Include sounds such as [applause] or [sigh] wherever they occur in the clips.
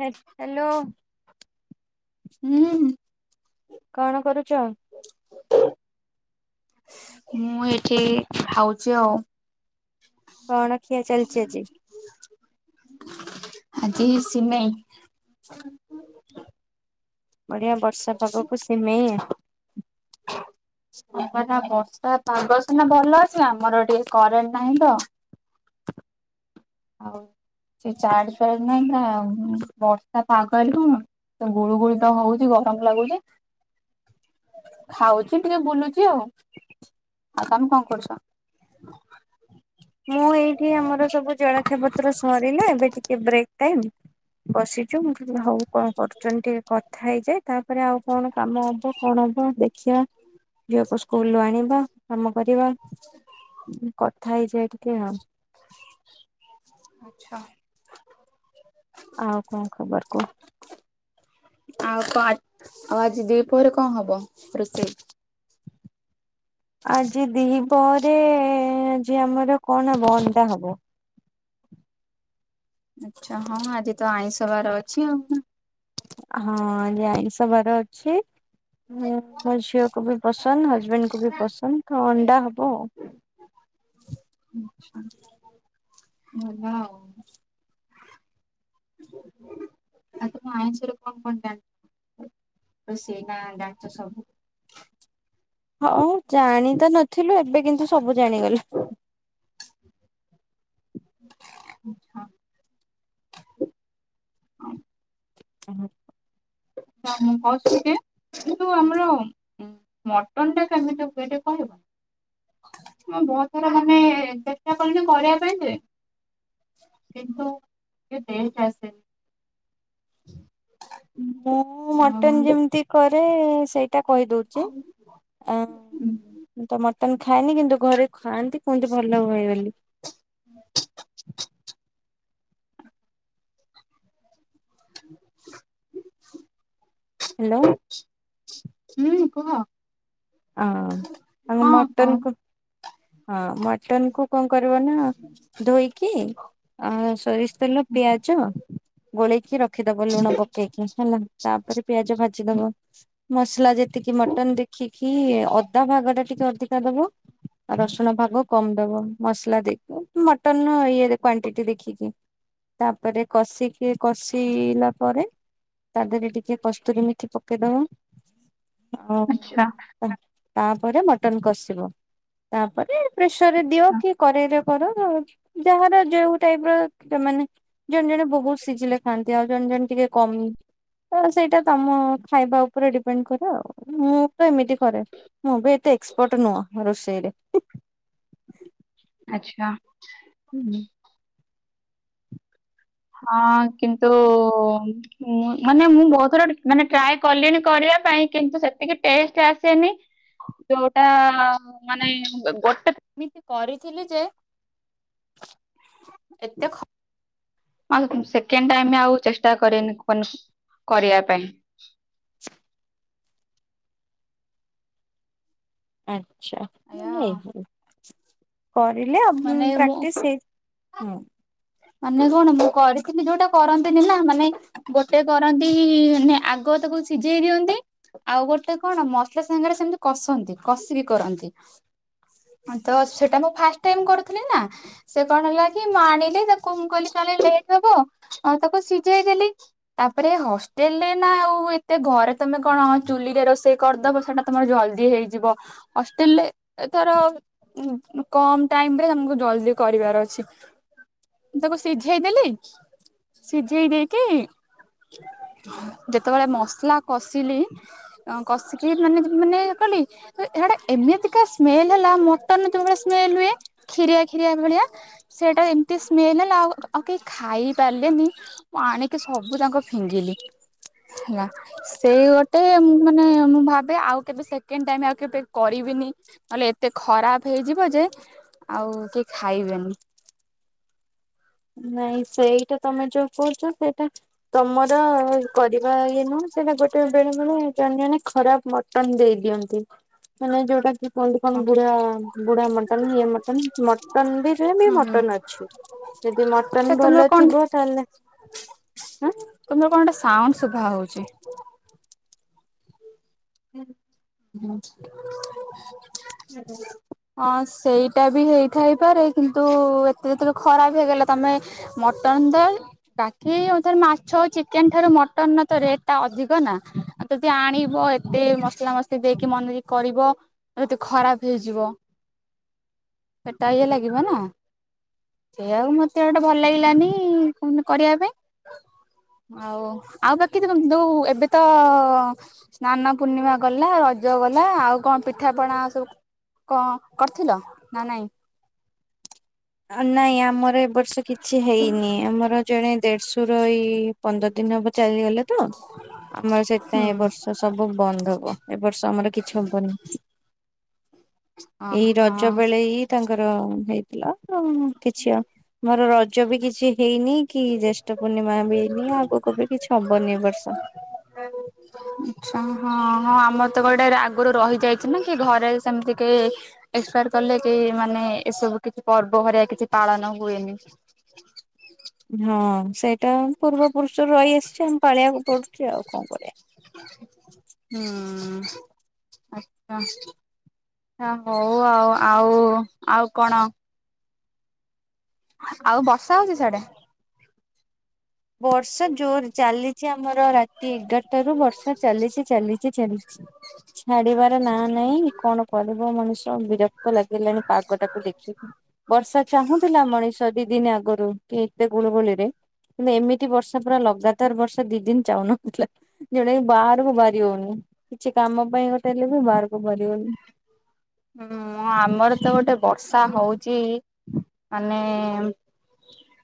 ହା ହାଲୋ ଉଁହୁଁ। କଣ କରୁଚ? ମୁଁ ଏଠି ଖାଉଚି ଆଉ। କଣଖିଆ ଚାଲିଚି ଆଜି? ଆଜି ସିମେଇ। ବଢିଆ ବର୍ଷା ପାଗକୁ ସିମେଇ। ହ ନା ବର୍ଷା ପାଗ ସିନା ଭଲ ଅଛି ଆମର ଟିକେ କରେଣ୍ଟ ନାହିଁ ତ। ଆଉ ସେ ଚାର୍ଜ ଫାର୍ଜ ନାହିଁ ନା ବର୍ଷା ପାଗରୁ ହ ତ ଗୁଳୁ ଗୁଳି ତ ହଉଚି ଗରମ ଲାଗୁଚି। ଖାଉଚି ଟିକେ ବୁଲୁଚି ଆଉ ଆଉ ତମେ କଣ କରୁଚ? [inaudible] ମୁଁ ଏଇଠି ଆମର ସବୁ ଜଳଖିଆ ପତ୍ର ସରିଲା ଏବେ ଟିକେ ବ୍ରେକ୍ ଟାଇମ୍। ବସିଚୁ, ମୁଁ କହିଲି ହଉ କଣ କରୁଛନ୍ତି ଟିକେ କଥା ହେଇଯାଏ, ତାପରେ ଆଉ କଣ କାମ ହବ କଣ? ଦେଖିବା ଝିଅକୁ ସ୍କୁଲରୁ ଆଣିବା, କାମ କରିବା କଥା। ଏମିତି ଆଉ ଆଚ୍ଛା। ଆଉ କଣ ଖବର କୁହ। ଆଉ କଣ ଆଉ ଆଜି ଦିପହରେ କଣ ହବ ରୋଷେଇ? ଆଜି ଦିପହରେ ଆଜି ଆମର କଣ ହବ? ଅଣ୍ଡା ହବ। ଆଛା ହଁ ଆଜି ତ ଆଇଁଷବାର ଅଛି ଆଉ । ହଁ ଆଜି ଆଇଁସ ବାର ଅଛି, ମୋ ଝିଅକୁ ବି ପସନ୍ଦ। ଟନ୍ ହଜବେଣ୍ଡ କୁ ବି ପସନ୍ଦ ଅଣ୍ଡା ହବ। ଆ ହେଲାଉ। ତ ଆଇଁସ ରେ କଣ କଣ ଜାଣିଚ ସବୁ, ସେନା ଜାଣିଚ ସବୁ। ହଁ ଜାଣି ତ ନଥିଲୁ, ଏବେ କିନ୍ତୁ ସବୁ ଜାଣିଗଲୁ। [unintelligible] [unintelligible] ଉଁ ହୁଁ। ହଁ ମୁଁ କହୁଥିଲି କି କିନ୍ତୁ ଆମର ମ ମଟନ ଟା କେମିତି ହୁଏ ଟିକେ କହିବ। ହଁ ବହୁତ ସାରା ମାନେ ଚେଷ୍ଟା କଲି ଯେ କରିବା ପାଇଁ ଯେ କିନ୍ତୁ ଟିକେ ଟେଷ୍ଟ ଆସେ। [inaudible] ମୁଁ ଆଉ ମଟନ ଯେମିତି କରେ ସେଇ ଏଟା କହିଦଉଚି ହୁଁ ।ଆ ତ ତ ମୁଁ ଖାଏନି, କିନ୍ତୁ ଘରେ ଖାଆନ୍ତି କୁହନ୍ତି ଭଲ ହୁଏ ବୋଲି। [inaudible] [inaudible] ହାଲୋ। ହୁଁ କୁହ। ହଁ ତାଙ୍କ ହଁ ମଟନ କହୁନ। କୁ ହଁ ମଟନ କୁ କଣ କରିବ ନା ଧୋଇକି ଆ ସରିଷ ତେଲ ପିଆଜ ଗୋଳେଇକି ରଖିଦବ ଲୁଣ ପକେଇକି ହେଲା ତାପରେ ପିଆଜ ଭାଜିଦବ ମସଲା ଯେତିକି ମଟନ ଦେଖିକି ଅଦା ଭାଗ ଟା ଟିକେ ଅଧିକା ଦବ ରସୁଣ ଭାଗ କମ ଦବ, ମସଲା ଦେଇକି ମଟନ ଇଏ କ୍ୱାଣ୍ଟିଟି ଦେଖିକି। ତାପରେ କଷିକି, କଷିଲା ପରେ ତା ଦେହରେ ଟିକେ କସ୍ତୁରୀ ମିଠି ପକେଇଦବ। ଆଉ ଆଚ୍ଛା। ତାପରେ ମଟନ କଷିବ ।ତାପରେ ପ୍ରେସରରେ ଦିଅ ଆଚ୍ଛା କି କରେଇରେ କର ଯାହାର ଯୋଉ ଟାଇପର ମାନେ ଜଣେ ଜଣେ ବହୁତ ସିଝିଲେ ଖାଆନ୍ତି। ଜଣେ ଜଣେ ଥିବେ ଟିକେ କମ। ଓ ସେଇଟା ତମ ଖାଇବା ଓପରେ ଡିପେଣ୍ଡ୍ କରେ ଆଉ ମୁଁ ତ ଏମିତି କରେ ମୁଁ ବି ଏତେ ଏକ୍ସପର୍ଟ ନୁହଁ ରୋଷେଇରେ। ଆଚ୍ଛା। ହୁଁ। ହଁ କିନ୍ତୁ ଉଁ ମାନେ ମୁଁ ବୋହୁତ ଥର ମାନେ ଟ୍ରାଏ କଲିଣି କରିବା ପାଇଁ କିନ୍ତୁ ସେତିକି ଟେଷ୍ଟ ଆସେନି। ଯୋଉଟା ମାନେ ଗୋଟେ ଏମିତି କରିଥିଲି ଯେ ଏତେ ଖ ଆଉ ସେକେଣ୍ଡ୍ ଟାଇମ୍ ଆଉ ଚେଷ୍ଟା କରିନି କନ୍ କରିବା ପାଇଁ। ଆଚ୍ଛା ଉଁ ଆଜ୍ଞା ହୁଁ ଏଇପରି। କରିଲେ ଉଁ ମାନେ ମୁଁ ପ୍ରାକ୍ଟିସ୍ ହେଇ ହୁଁ। ମାନେ କଣ ମୁଁ କରିଥିଲି ଯୋଉଟା କରନ୍ତିନି ନାଁ ମାନେ ଗୋଟେ କରନ୍ତି ୟୁନି ଆଗ ତାକୁ ସିଝେଇ ଦିଅନ୍ତି ଆଉ ଗୋଟେ କଣ ମସଲା ସାଙ୍ଗରେ ସେମିତି କଷନ୍ତି କଷିକି କରନ୍ତି। ଅଁ ତ ସେଟା ମୁଁ ଫାଷ୍ଟ ଟାଇମ୍ କରୁଥୁଲି ନାଁ ସେ କଣ ହେଲା କି ମୁଁ ଆଣିଲି ତା କଁ କହିଲି କାଳେ ଲେଟ୍ ହବ ଆଉ ତାକୁ ସିଝେଇ ଦେଲି ତାପରେ ହଷ୍ଟେଲ୍ ରେ ନାଁ ଉ ଏତେ ଘରେ ତମେ କଣ ଚୁଲିରେ ରୋଷେଇ କରିଦବ ସେଟା ତମର ଜଲ୍ଦୀ ହେଇଯିବ ହଷ୍ଟେଲ୍ ରେ ଏଥର ଉଁ ଉଁ କମ୍ ଟାଇମ୍ ରେ ଆମୁକୁ ଜଲ୍ଦୀ କରିବାର ଅଛି। ତାକୁ ସିଝେଇ ଦେଲି ସିଝେଇ ଦେଇକି ଯେତବେଳେ ମସଲା କସିଲି ଅଁ କଷିକି ମାନେ ଯେ ମାନେ କଲି ତ ହେଉଡ଼ା ଏମିତିକା ସ୍ମେଲ୍ ହେଲା ମଟନ୍ ଯୋଉ ଭଳିଆ ସ୍ମେଲ୍ ହୁଏ ଏ ଖିରିଆ ଖିରିଆ ଭଳିଆ ସେଇଟା ଏମ୍ ଏତେ ସ୍ମେଲ୍ ହେଲା ଆଉ ଆଉ କେହି ଖାଇ ପାରଲେନି ମୁଁ ଆଣିକି ସବୁ ଯାଙ୍କ ଫିଙ୍ଗିଲି। ହେଲା ସେଇ ଗୋଟେ ମାନେ ମୁଁ ଭାବେ ଆଉ କେବେ ସେକେଣ୍ଡ୍ ଟାଇମ୍ ଆ କେବେ କରି ବିନି ନହେଲେ ଏତେ ଖରାପ ହେଇଯିବ ଯେ ଆଉ କେଇ ଖାଇବେନି। ନାଇଁ ସେଇଟା ତମେ ଯୋଉ କୋହୁଚ ସେଇଟା ତମର କରିବା ଇଏ ନୁହଁ ସେଟା ଗୋଟେ ବେଳେ ବେଳେ ଜଣେ ଜଣେ ଖରାପ ମଟନ୍ ଦେଇ ଦିଅନ୍ତି ମାନେ ଯୋଉଟା କି କୁହନ୍ତି କଣ ବୁଢ଼ା ବୁଢ଼ା ମଟନ୍ ଇଏ ମଟନ୍ ମଟନ୍ ବି ଯେ ବି ମଟନ୍ ଅଛି। ଯଦି ଛା ମଟନ ତୁମେ ଭଲ କଣ ଥିବ ତାହେଲେ ତୁମେ କଣଟେ ସାଉଁ ଶୁଭା ହଉଚି। ଏଁ ହୁଁ। ହାଲୋ। ଅଁ ସେଇଟା ବି ହେଇଥାଇପାରେ କିନ୍ତୁ ଏତେ ଏତୋଳେ ଖରାପ ହେଇଗଲା ତମେ ମଟ ଅନ୍ତରି ବାକି ଉଁ ଥରେ ମାଛ ଚିକେନ୍ ଠାରୁ ମଟନ୍ ର ତ ରେଟ୍ ଟା ଅଧିକ ନାଁ ଅଦି ଆଣିବ ଏତେ ମସଲା ମସ୍ ଏ ଦେଇକି ମନରି କରିବ ଯତି ଖରାପ ହେଇଯିବ ଏଟା ଇଏ ଲାଗିବ ନାଁ। ସେ ଆଉ ମତେ ଅଟେ ଭଲ ଲାଗିଲାନେଇ କରିବା ପାଇଁ। ଆଉ ଆଉ ବାକି ଦ-ଦ ଦୋଉ ଏବେ ତ ସ୍ନାନ ପୂର୍ଣ୍ଣିମା ଗ ଲା ରଜ ଗଲା ଆଉ କଁ ପିଠା ପଣା ସବୁ କଁ କରିଥିଲ ନାଁ ନାଇଁ? [inaudible] ଅଁ ନାଇଁ ଆମର ଏ ବର୍ଷ କିଛି ହେଇନି ଆମର ଜଣେ ଦେଡ଼ଶୁର ଏଇ ପନ୍ଦର ଦିନ୍ ହବ ଚାଲିଗଲେ ତ। ଆମର ସେଥିପାଇଁ ଏ ହୁଁ। ବର୍ଷ ସବୁ ବନ୍ଦ ହବ ଏ ବର୍ଷ ଆମର କିଛି ହବନି। ଏଇ ଓହୋ ରଜ ବେଳେ ଆଚ୍ଛା ଇ ତାଙ୍କର ହେଇଥିଲା। ଓ କିଛି ଅ ମୋର ରଜ ବି କିଛି ହେଇନି କି ଜେଷ୍ଠ ପୂର୍ଣ୍ଣିମା ବି ହେଇନି ଆଗୁକୁ ବି କିଛି ହବନି ଏବର୍ଷ। ଉଁଚ୍ଛା। ହଁ ହଁ ଆମର ତ ଗୋଟେ ରା ଆଗରୁ ରହିଯାଇଛି ନାଁ କି ଘରେ ସେମିତି କେହି ଏକ୍ସପାୟାର କଲେ କେହି ମାନେ ଏସବୁ କିଛି ପର୍ବ ହରିଆ କିଛି ପାଳନ ହୁଏନି। ହଁ ସେଇଟା ପୂର୍ବ ପୁରୁଷରୁ ରହିଆସିଚି ଆମ ପାଳେଇଆକୁ ପଡୁଚି ଆଉ କଣ କରିବା। ହୁଁ ଆଚ୍ଛା। ହଉ ଆଉ ଆଉ ଆଉ କଣ? ଆଉ ବର୍ଷା ହଉଚି ସେଆଡେ? ବର୍ଷା ଜୋର ଚାଲିଚି ଆମର ରାତି ଏଗାରଟ ରୁ ବର୍ଷା ଚାଲିଚି ଚାଲିଚି। ଚି ଚାଲିଚି। ଛାଡିବାର ନା ନାଇଁ କଣ କରିବ ମଣିଷ ବିରକ୍ତ ଲାଗିଲାଣି ପାଗ ଟାକୁ ଦେଖିକି। ବର୍ଷା ଚାହୁଁଥିଲା ମଣିଷ ଦି ଦିନ ଆଗରୁ କି ଏତେ ଗୁଳୁଗୁଳିରେ। ମାନେ ଏମିତି ବର୍ଷା ପୁରା ଲଗାତାର ବର୍ଷା ଦି ଦିନ ଚାହୁନଥିଲା ଯେଉଟାକ ବାହାରକୁ ବାହାରି ହଉନି। କିଛି କାମ ପାଇଁ ଗୋଟେ ହେଲେ ବି ବାହାରକୁ ବାହାରି ହଉନି। [inaudible] ହୁଁ ଆମର ତ ଗୋଟେ ବର୍ଷା ହଉଚି ମାନେ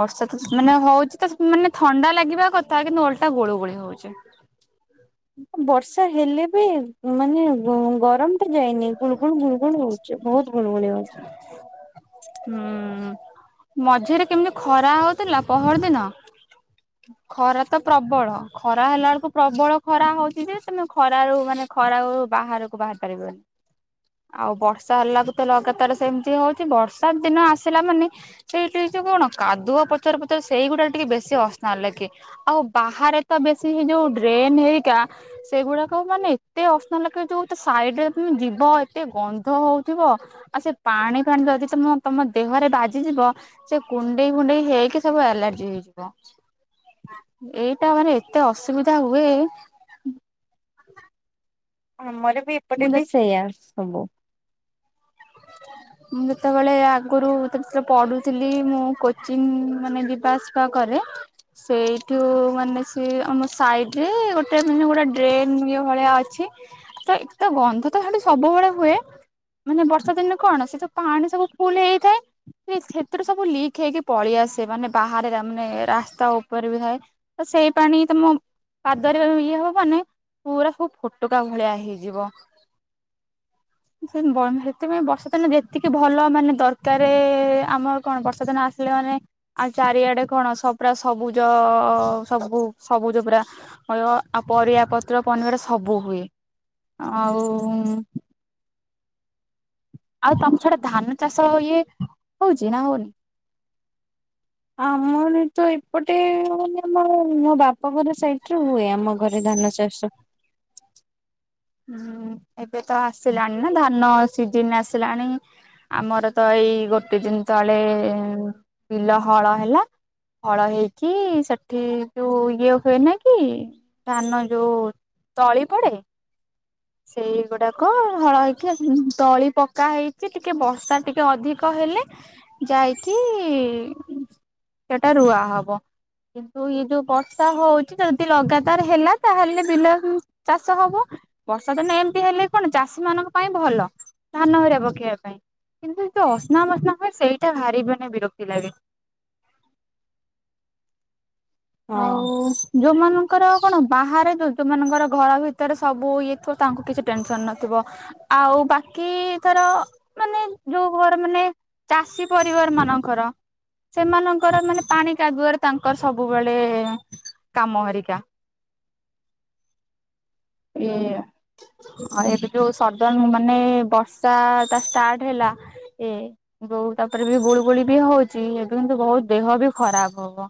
ବର୍ଷା ତ ମାନେ ହଉଚି ତ ମାନେ ଥଣ୍ଡା ଲାଗିବା କଥା କିନ୍ତୁ ଅଲଟା ଗୋଳୁ ଗୋଳି ହଉଚି। ହୁଁ। ବର୍ଷା ହେଲେ ବି ମାନେ ଗରମ କେତେ ଯାଇନି ଗୁଳ ଗୁଳ ଗୁଳ ଗୁଳ ହଉଚି, ବହୁତ ଗୁଲଗୁଳି ହଉଚି। ହୁଁ ମଝିରେ କେମିତି ଖରା ହଉଥିଲା ପହର ଦିନ ଖରା ତ ପ୍ରବଳ ଖରା ହେଲା ବେଳକୁ ପ୍ରବଳ ଖରା ହଉଚି ଯେ ତମେ ଖର ର ମାନେ ଖରା ବାହାରକୁ ବାହାରି ପାରିବନି। ଆଉ ବର୍ଷା ହେଲା କ ତ ଲଗାତାର ସେମିତି ହଉଚି ବର୍ଷା ଦିନ ଆସିଲା ମାନେ ସେଇଠି କଣ କାଦୁଆ ପଚର ପଚରେ ସେଇଗୁଡା ଟିକେ ବେଶୀ ଅ ନହେଲେ କି ଆଉ ବାହାରେ ତ ବେଶୀ ଏ ଯୋଉ ଡ୍ରେନ ହେରିକା ସେଗୁଡାକ ମାନେ ଏତେ ଅପସନାଲ୍ ଏଇ ଯୋଉ ଗୋଟେ ସାଇଡରେ ତମେ ଯିବ ଏତେ ଗନ୍ଧ ହଉଥିବ ଆଉ ସେ ପାଣି ଫାଣି ଯଦି ତମ ତମ ଦେହରେ ବାଜିଯିବ ସେ କୁଣ୍ଡେଇ କୁଣ୍ଡେଇ ହେଇକି ସବୁ ଆଲର୍ଜି ହେଇଯିବ। ଏଇଟା ମାନେ ଏତେ ଅସୁବିଧା ହୁଏ। ଆମର ବି ଏପଟେ ମୁଁ ଯେ ବି ସେଇଆ ସବୁ। [inaudible] ମୁଁ ଯେତେବେଳେ ଆଗରୁ ଯେତେବେଳେ ପଢୁଥିଲି ମୁଁ କୋଚିଂ ମାନେ ଯିବା ଆସିବା କ ରେ ସେଇଠୁ ମାନେ ସେ ଆମ ସାଇଡରେ ଗୋଟେ ମାନେ ଗୋଟେ ଡ୍ରେନ ଭଳିଆ ଅଛି ତ ତ ଗନ୍ଧ ତ ଖାଲି ସବୁବେଳେ ହୁଏ ମାନେ ବର୍ଷ ଦିନେ କଣ ସେୁ ତ ପାଣି ସବୁ ଫୁଲ ହେଇଥାଏ। ସେ୍ଥିରେ ସବୁ ଲିକ୍ ହେଇକି ପଳେଇଆସେ, ମାନେ ବାହାରେ ମାନେ ରାସ୍ତା ଉପରେ ବି ଥାଏ। ସେଇ ପାଣି ତମ ପାଦରେ ଇଏ ହବ ମାନେ ପୁରା ସବୁ ଫୋଟକା ଭଳିଆ ହେଇଯିବ। ସେନ୍ ବର୍ମ ହେ ସେଥିପାଇଁ ବର୍ଷା ଦିନ ଯେତିକି ଭଲ ମାନେ ଦରକାରେ ଆମର କଣ ବର୍ଷା ଦିନ ଆସିଲେ ମାନେ ଆ ଚାରିଆଡେ କଣ ସବ ପୁରା ସବୁଜ ସବୁ ସବୁଜ ପୁରା ଆ ପରିବା। ପତ୍ର ପନର ସବୁ ହୁଏ ଆଉ ଆଉ ତମ ଛଡା ଧାନ ଚାଷ ଇଏ ହଉଚି ନା ହଉନି? ଆମର ତ ଏପଟେ ମାନେ ଆମ ମୋ ବାପା ଘର ସାଇଡରେ ହୁଏ ଆମ ଘରେ ଧା। ଧାନ ଚାଷ। ହୁଁ ଏବେ ତ ଆସିଲାଣି ନା ଧାନ। ସିଜିିନ ଆସିଲାଣି ଆମର ତ ଏଇ ଗୋଟେ ଦିନ ତଳେ ବିଲ ହ ଫଳ ହେଲା। ଫଳ ହେଇକି ସେଠି ଯୋଉ ଇଏ ହୁଏ ନା କି ଧାନ ଯୋଉ ତଳି ପଡେ। ସେଇଗୁଡାକ ହଳ ହେଇକି ତଳି ପକା ହେଇଚି ଟିକେ ବର୍ଷା ଟିକେ ଅଧିକ ହେଇ ହେଲେ ଯାଇକି ସେଟା ରୁଆ ହବ। କିନ୍ତୁ ଇଏ ଯୋଉ ବର୍ଷା ହଉଛି ଯଦି ଲଗାତାର ହେଲା ତାହେଲେ ବିଲ ହଁ ଚାଷ ହବ। ବର୍ଷାଦିନେ ଏମିତି ହେଲେ କଣ ଚାଷୀ ମାନଙ୍କ ପାଇଁ ଭଲ। ଧାନ ହରେ ପକେଇବା ପାଇଁ। କିନ୍ତୁ ଯଉ ଅସ୍ନା ମସ୍ନା ହୁଏ ସେଇଟା ଭାରି ମାନେ ବିରକ୍ତି ଲାଗେ। ହଉ ହଁ ଉଁ। ଯୋଉମାନଙ୍କର କଣ ବାହାରେ ଯ ଯୋଉମାନଙ୍କର ଘର ଭିତରେ ସବୁ ଇଏ ଥିବ ତାଙ୍କୁ କିଛି ଟେନସନ ନଥିବ। ଆଉ ବାକି ତାର ମାନେ ଯୋଉ ଘର ମାନେ ଚାଷୀ ପରିବାର ମାନଙ୍କର ସେମାନଙ୍କର ମାନେ ପାଣି କାଦୁଅରେ ତାଙ୍କର ସବୁ। ସବୁଆଳେ କାମ ହରିକା। ଏ ଅଁ ଏବେ ଯୋଉ ସଡ଼ନ ମାନେ ବର୍ଷା ଟା ଷ୍ଟାର୍ଟ ହେଲା। ଆ। ଏ ଯୋଉ ତାପରେ ବି ଗୁଳୁ ଗୁଳି ବି ହଉଛି ଏବେ କିନ୍ତୁ ବହୁତ ଦେହ ବି ଖରାପ ହବ।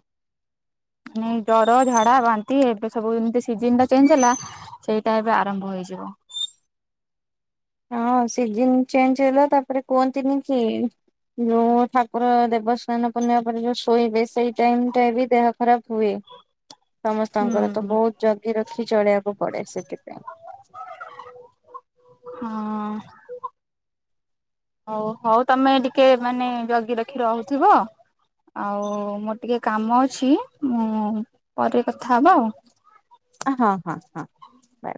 ନାଇଁ ଡ଼ର, ଝାଡ଼ା, ବାନ୍ତି ଏବେ ସବୁ ଯେମିତି ସିଜନଟା ଚେଞ୍ଜ ହେଲା ସେଇଟା ଏବେ ଆରମ୍ଭ ହେଇଯିବ। ହଁ ସିଜିନ ଚେଞ୍ଜ ହେଲା ତାପରେ କୁହନ୍ତିନି କି ଯୋଉ ଠାକୁର ଦେବସ୍ନାନ ପୂର୍ଣ୍ଣିମା ପରେ ଯୋଉ ଶୋଇବେ ସେଇ ଟାଇମ ଟା ବି ଦେହ ଖରାପ ହୁଏ। ସମସ୍ତଙ୍କର ତ ହୁଁ। ବହୁତ ଜଗି ରଖି ଚଳିଆ। ପଡେ ସେଥିପାଇଁ। ହଁ ହଉ ହଉ ତମେ ଟିକେ ମାନେ ଜଗି ରଖି ରହୁଥିବ। ଆଉ ମୋର ଟିକେ କାମ ଅଛି ମୁଁ ପରେ କଥା ହବା ଆଉ। ହଁ ହଁ ହଁ। ବା